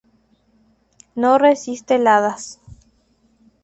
No resiste heladas.